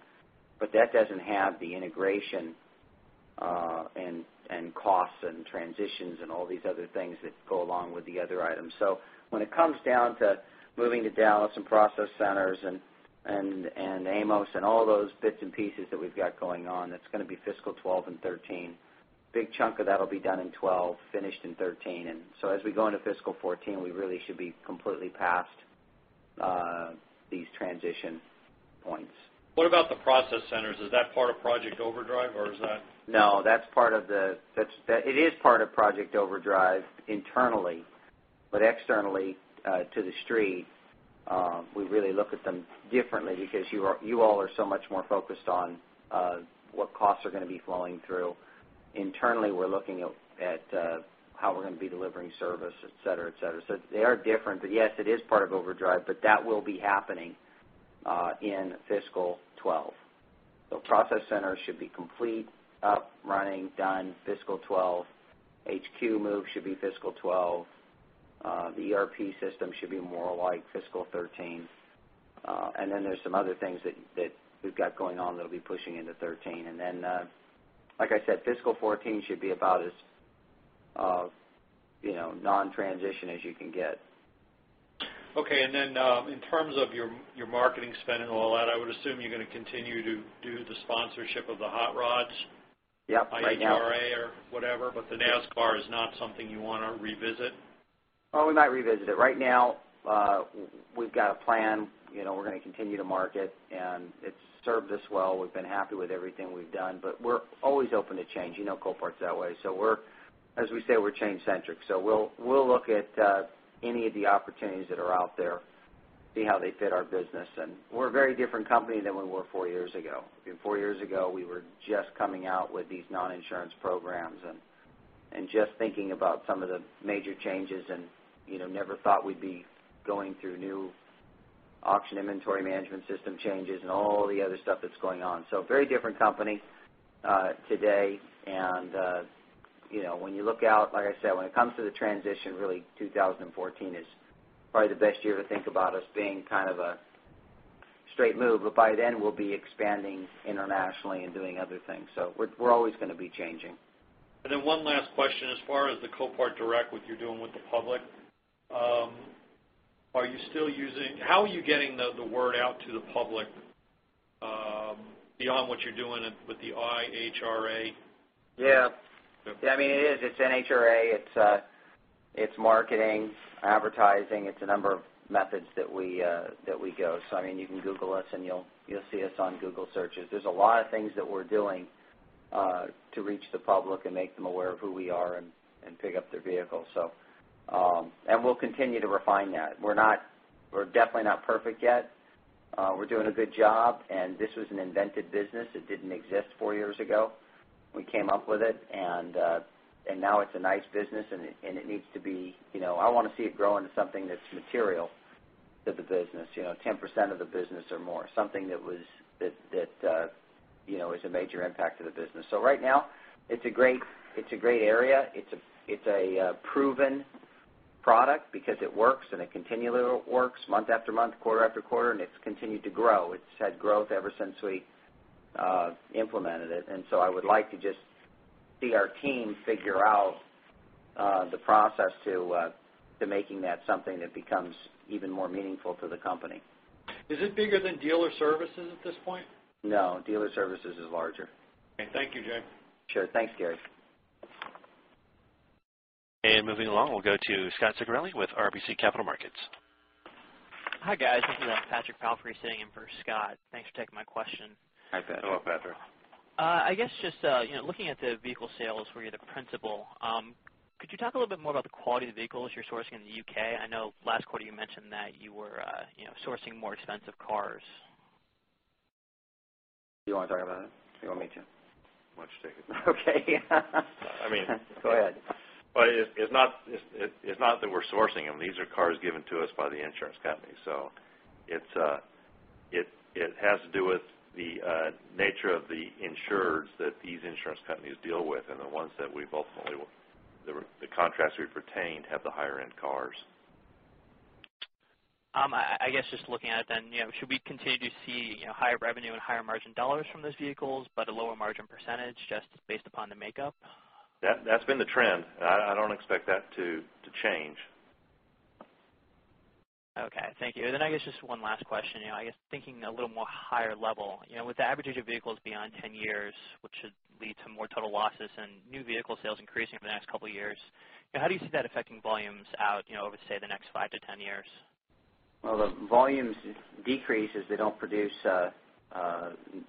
That doesn't have the integration, and costs and transitions and all these other things that go along with the other items. When it comes down to moving to Dallas and process centers and AMOS and all those bits and pieces that we've got going on, that's going to be Fiscal 2012 and 2013. A big chunk of that will be done in 2012, finished in 2013. As we go into Fiscal 2014, we really should be completely past these transition points. What about the process centers? Is that part of Project Overdrive, or is that? No, that's part of Project Overdrive internally. Externally, to the street, we really look at them differently because you all are so much more focused on what costs are going to be flowing through. Internally, we're looking at how we're going to be delivering service, etc., etc. They are different. Yes, it is part of Overdrive, but that will be happening in Fiscal 2012. Process centers should be complete, up, running, done, Fiscal 2012. HQ move should be Fiscal 2012. The ERP system should be more like Fiscal 2013, and then there's some other things that we've got going on that'll be pushing into 2013. Like I said, Fiscal 2014 should be about as, you know, non-transition as you can get. Okay. In terms of your marketing spend and all that, I would assume you're going to continue to do the sponsorship of the hot rods. Yep, right now. IDRA or whatever. NASCAR is not something you want to revisit? Oh, we're not revisiting it. Right now, we've got a plan. You know, we're going to continue to market, and it's served us well. We've been happy with everything we've done. We're always open to change. You know Copart's that way. We're, as we say, we're change-centric. We'll look at any of the opportunities that are out there, see how they fit our business. We're a very different company than we were four years ago. I mean, four years ago, we were just coming out with these non-insurance programs and just thinking about some of the major changes and, you know, never thought we'd be going through new auction inventory management system changes and all the other stuff that's going on. A very different company today. You know, when you look out, like I said, when it comes to the transition, really, 2014 is probably the best year to think about us being kind of a straight move. By then, we'll be expanding internationally and doing other things. We're always going to be changing. One last question. As far as the Copart Direct, what you're doing with the public, are you still using, how are you getting the word out to the public, beyond what you're doing with the IHRA? Yeah, I mean, it is. It's NHRA. It's marketing, and now it's a nice business, and it needs to be, you know, I want to see it grow into something that's material to the business. You know, 10% of the business or more, something that is a major impact to the business. Right now, it's a great area. It's a proven product because it works, and it continually works month after month, quarter after quarter, and it's continued to grow. It's had growth ever since we implemented it. I would like to just see our team figure out the process to making that something that becomes even more meaningful to the company. Is it bigger than Dealer Services at this point? No. Dealer Services is larger. Okay, thank you, Jay. Sure. Thanks, Gary. Moving along, we'll go to Scot Ciccarelli with RBC Capital Markets. Hi, guys. This is Patrick Palfrey sitting in for Scott. Thanks for taking my question. Hi, Patrick. Hello, Patrick. I guess just looking at the vehicle sales where you're the principal, could you talk a little bit more about the quality of the vehicles you're sourcing in the U.K.? I know last quarter you mentioned that you were sourcing more expensive cars. You want to talk about it? I think I'll meet you Much too. Okay. Go ahead. It's not that we're sourcing them. These are cars given to us by the insurance company. It has to do with the nature of the insureds that these insurance companies deal with. The ones that we've ultimately, the contracts we've pertained, have the higher-end cars. I guess just looking at it, should we continue to see higher revenue and higher margin dollars from those vehicles, but a lower margin percentage just based upon the makeup? That's been the trend. I don't expect that to change. Thank you. I guess just one last question. Thinking a little more higher level, with the average age of vehicles beyond 10 years, which should lead to more total losses and new vehicle sales increasing over the next couple of years, how do you see that affecting volumes out over, say, the next 5-10 years? The volumes decrease as they don't produce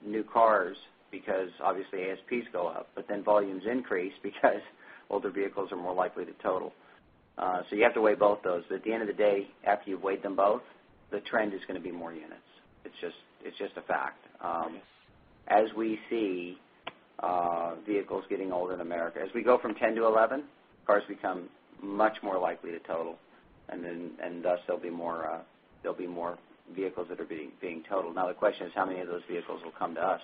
new cars because, obviously, ASPs go up. Volumes increase because older vehicles are more likely to total. You have to weigh both those. At the end of the day, after you've weighed them both, the trend is going to be more units. It's just a fact. As we see vehicles getting old in America, as we go from 11, cars become much more likely to total. Thus, there will be more vehicles that are being totaled. The question is how many of those vehicles will come to us.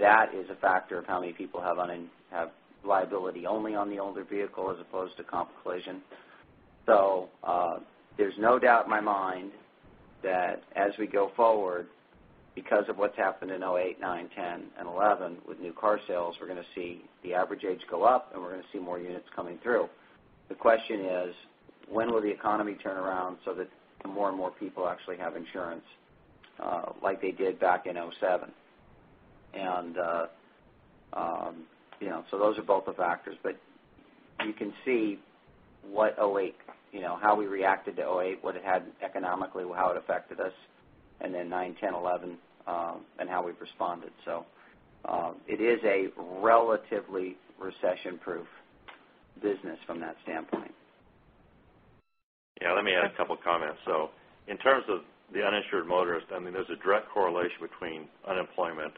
That is a factor of how many people have on and have liability only on the older vehicle as opposed to comp and collision. There's no doubt in my mind that as we go forward, because of what's happened in 2008, 2009, 2010, and 2011 with new car sales, we're going to see the average age go up, and we're going to see more units coming through. The question is, when will the economy turn around so that more and more people actually have insurance, like they did back in 2007? Those are both the factors. You can see what 2008, how we reacted to 2008, what it had economically, how it affected us, and then 2009, 2010, 2011, and how we've responded. It is a relatively recession-proof business from that standpoint. Yeah. Let me add a couple of comments. In terms of the uninsured motorist, there's a direct correlation between unemployment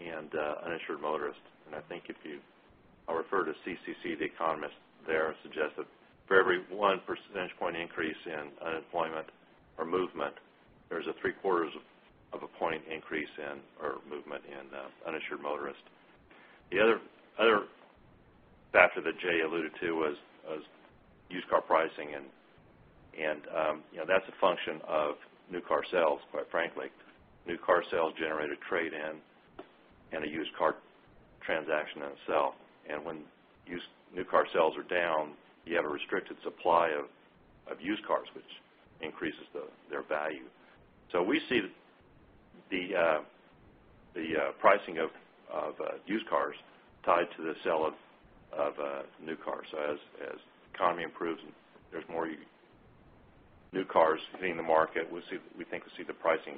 and uninsured motorists. If you refer to CCC, the economist there suggested for every 1% increase in unemployment or movement, there's a 0.75% increase in or movement in uninsured motorists. The other factor that Jay alluded to was used car pricing, and that's a function of new car sales, quite frankly. New car sales generate a trade-in and a used car transaction in itself. When new car sales are down, you have a restricted supply of used cars, which increases their value. We see the pricing of used cars tied to the sale of new cars. As the economy improves and there's more new cars hitting the market, we think we'll see the pricing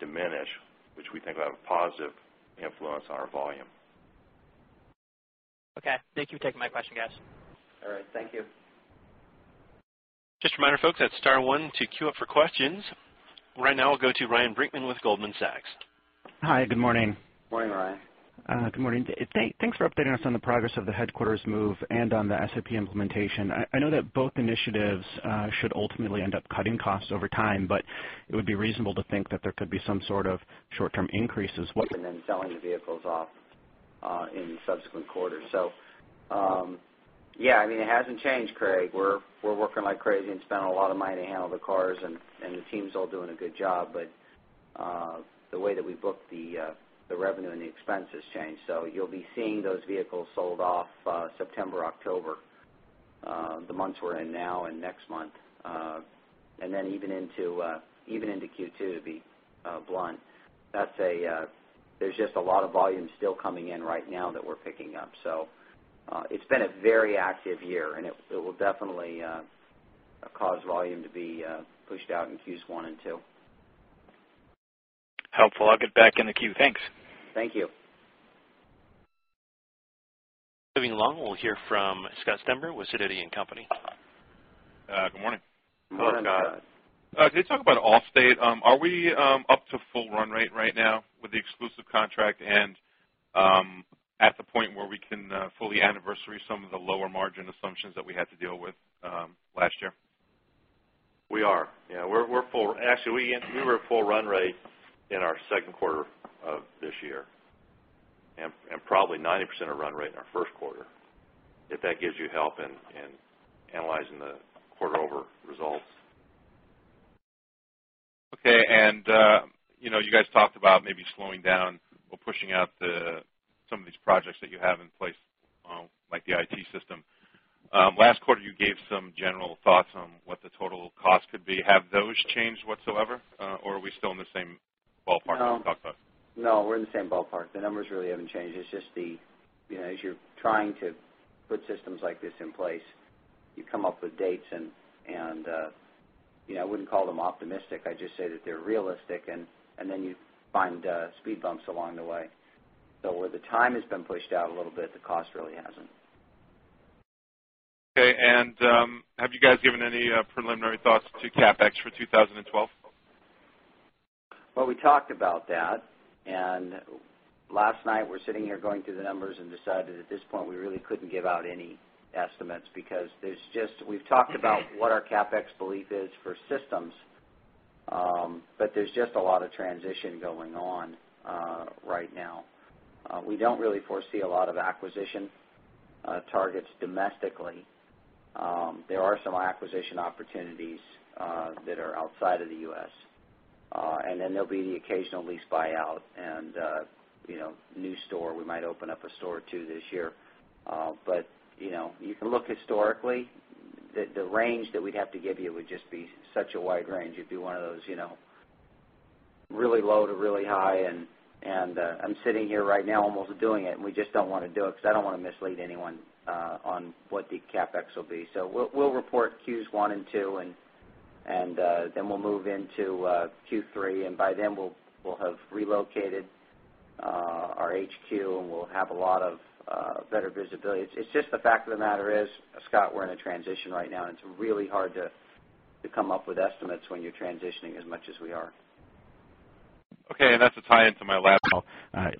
diminish, which we think will have a positive influence on our volume. Okay, thank you for taking my question, guys. All right, thank you. Just a reminder, folks, it's Star, one to queue up for questions. Right now, we'll go to Ryan Brinkman with Goldman Sachs. Hi, good morning. Morning, Ryan. Good morning. Thanks for updating us on the progress of the headquarters move and on the SAP implementation. I know that both initiatives should ultimately end up cutting costs over time, but it would be reasonable to think that there could be some sort of short-term increase as well.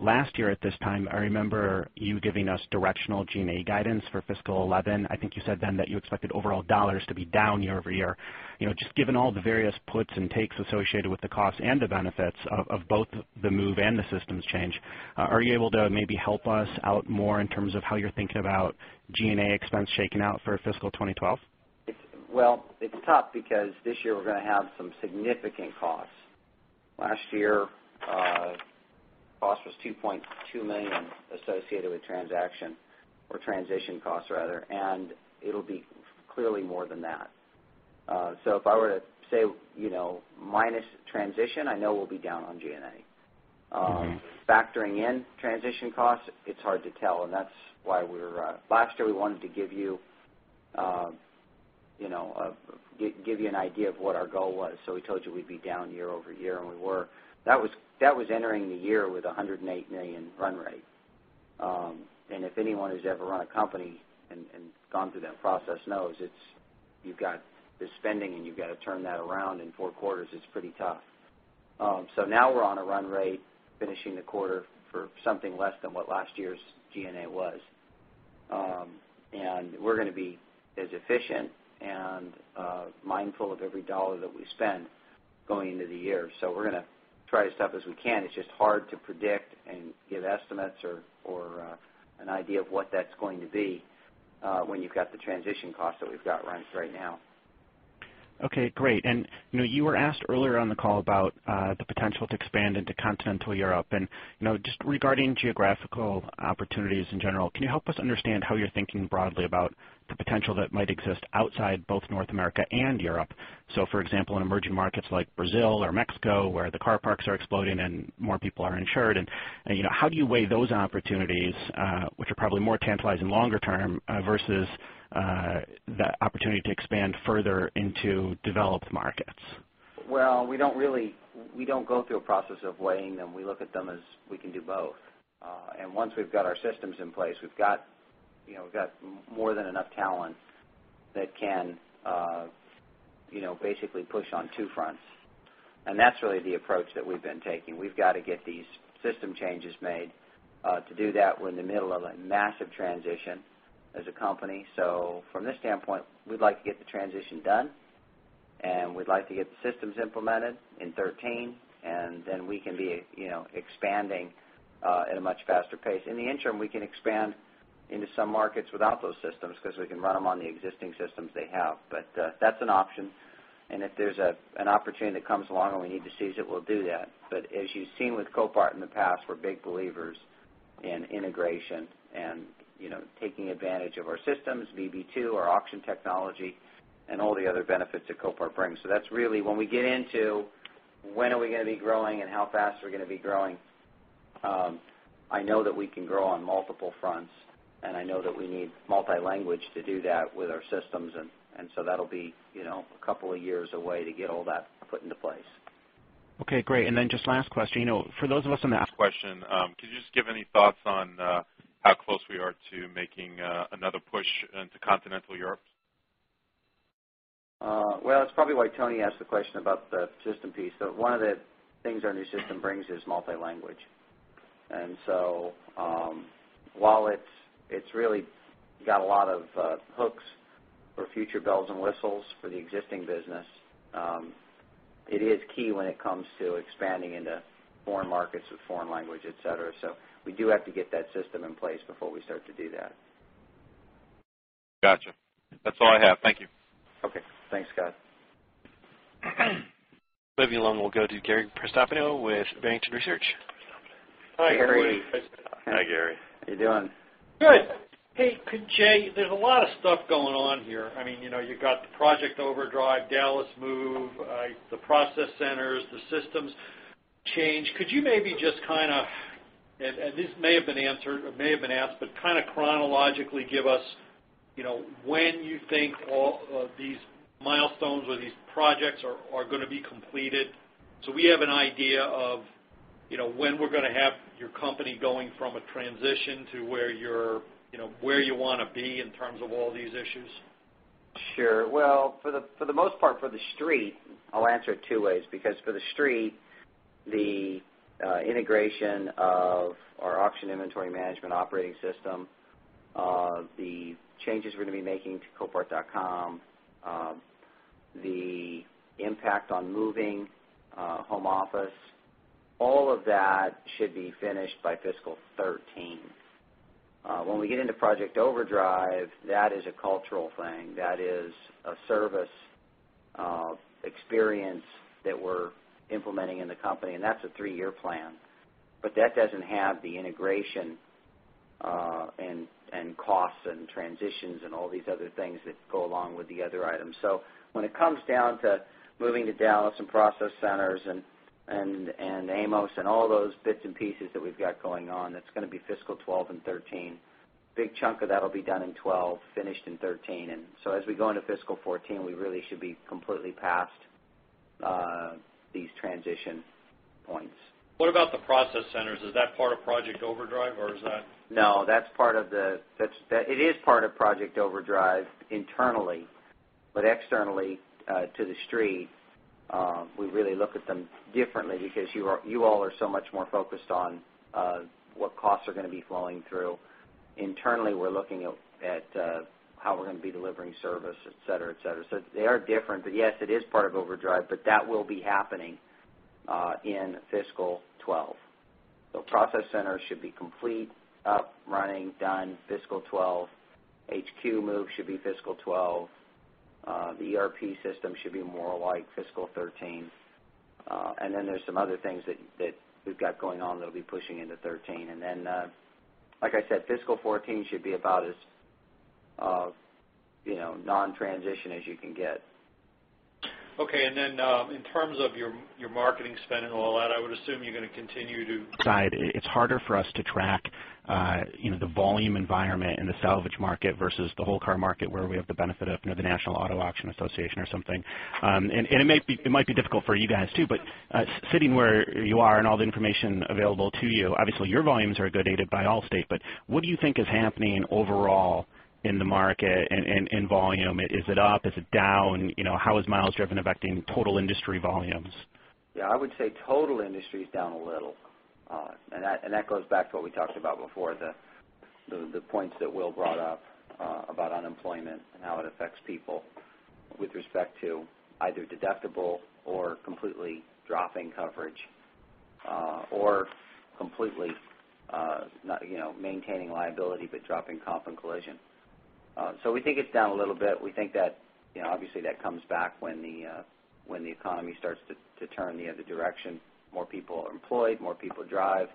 Last year at this time, I remember you giving us directional G&A guidance for fiscal 2011. I think you said then that you expected overall dollars to be down year-over-year. Just given all the various puts and takes associated with the costs and the benefits of both the move and the systems change, are you able to maybe help us out more in terms of how you're thinking about G&A expense shaken out for fiscal 2012? It's tough because this year we're going to have some significant costs. Last year, cost was $2.2 million associated with transition costs, rather. It'll be clearly more than that. If I were to say, you know, minus transition, I know we'll be down on G&A. Factoring in transition costs, it's hard to tell. That's why last year we wanted to give you, you know, give you an idea of what our goal was. We told you we'd be down year-over-year, and we were. That was entering the year with a $108 million run rate. If anyone has ever run a company and gone through that process knows you've got the spending and you've got to turn that around in four quarters. It's pretty tough. Now we're on a run rate finishing the quarter for something less than what last year's G&A was. We're going to be as efficient and mindful of every dollar that we spend going into the year. We're going to try as tough as we can. It's just hard to predict and give estimates or an idea of what that's going to be when you've got the transition cost that we've got running right now. Okay. Great. You were asked earlier on the call about the potential to expand into continental Europe. Just regarding geographical opportunities in general, can you help us understand how you're thinking broadly about the potential that might exist outside both North America and Europe? For example, in emerging markets like Brazil or Mexico, where the car parks are exploding and more people are insured, how do you weigh those opportunities, which are probably more tantalizing longer term, versus the opportunity to expand further into developed markets? We don't really go through a process of weighing them. We look at them as we can do both, and once we've got our systems in place, we've got more than enough talent that can basically push on two fronts. That's really the approach that we've been taking. We've got to get these system changes made to do that. We're in the middle of a massive transition as a company. From this standpoint, we'd like to get the transition done, and we'd like to get the systems implemented in 2013, and then we can be expanding at a much faster pace. In the interim, we can expand into some markets without those systems because we can run them on the existing systems they have. That's an option. If there's an opportunity that comes along and we need to seize it, we'll do that. As you've seen with Copart in the past, we're big believers in integration and taking advantage of our systems, VB2, our auction technology, and all the other benefits that Copart brings. That's really when we get into when are we going to be growing and how fast are we going to be growing. I know that we can grow on multiple fronts, and I know that we need multi-language to do that with our systems. That'll be a couple of years away to get all that put into place. Okay. Great. Just last question. For those of us on the outside, it's harder for us to track the volume environment in the salvage market versus the whole car market where we have the benefit of the National Auto Auction Association or something. It might be difficult for you guys too. Sitting where you are and all the information available to you, obviously, your volumes are a good data point by Allstate. What do you think is happening overall in the market and in volume? Is it up? Is it down? How is miles driven affecting total industry volumes? Yeah, I would say total industry is down a little. That goes back to what we talked about before, the points that Will brought up about unemployment and how it affects people with respect to either deductible or completely dropping coverage, or completely not, you know, maintaining liability but dropping comp and collision. We think it's down a little bit. We think that, you know, obviously, that comes back when the economy starts to turn the other direction. More people are employed. More people drive.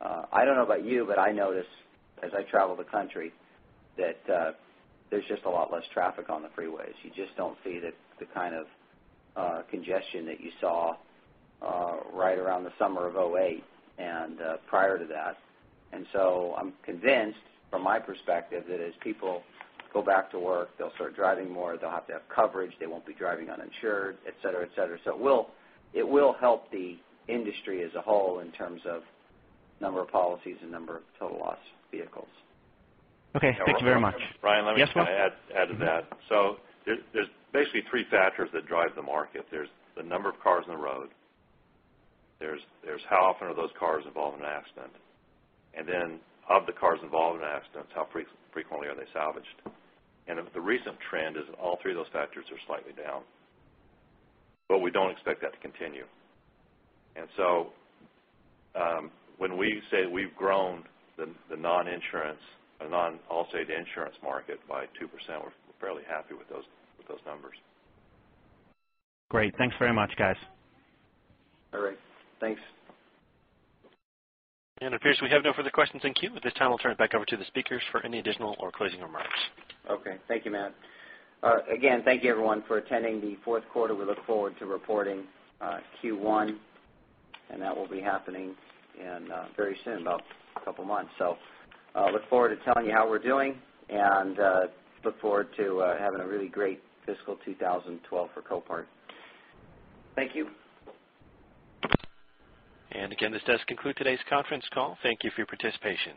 I don't know about you, but I notice as I travel the country that there's just a lot less traffic on the freeways. You just don't see the kind of congestion that you saw right around the summer of 2008 and prior to that. I'm convinced from my perspective that as people go back to work, they'll start driving more. They'll have to have coverage. They won't be driving uninsured, etc., etc. It will help the industry as a whole in terms of the number of policies and number of total loss vehicles. Okay, thank you very much. Ryan, let me just add to that. There are basically three factors that drive the market. There's the number of cars on the road, how often those cars are involved in an accident, and of the cars involved in an accident, how frequently they are salvaged. The recent trend is all three of those factors are slightly down. We don't expect that to continue. When we say we've grown the non-insurance or non-Allstate insurance market by 2%, we're fairly happy with those numbers. Great. Thanks very much, guys. All right, thanks. It appears we have no further questions in queue. At this time, I'll turn it back over to the speakers for any additional or closing remarks. Thank you, Matt. Thank you, everyone, for attending the fourth quarter. We look forward to reporting Q1, and that will be happening very soon, about a couple of months. Look forward to telling you how we're doing and look forward to having a really great fiscal 2012 for Copart. Thank you. This does conclude today's conference call. Thank you for your participation.